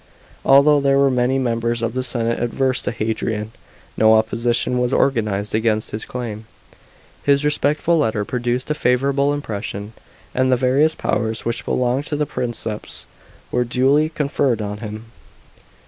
Although there were many members of the senate adverse to Hadrian, no opposition was organised against his claim; his respectful letter produced a favourable impression; and the various powers which belonged to the Princeps were duly conferred on him.